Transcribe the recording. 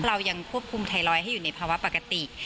เรายังควบคุมไทรอยด์ให้อยู่ในภาวะปกติ